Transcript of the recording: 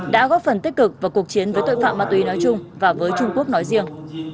đã góp phần tích cực vào cuộc chiến với tội phạm ma túy nói chung và với trung quốc nói riêng